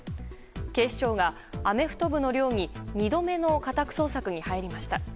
警視庁がアメフト部の寮に２度目の家宅捜索に入りました。